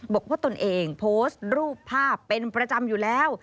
ตนเองโพสต์รูปภาพเป็นประจำอยู่แล้ว